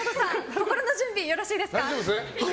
心の準備、よろしいですか？